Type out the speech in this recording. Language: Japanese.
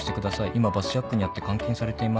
「今バスジャックに遭って監禁されています」